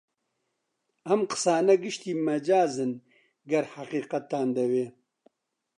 ئەم قسانە گشتی مەجازن گەر حەقیقەتتان دەوێ